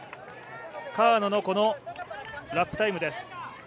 川野のラップタイムです。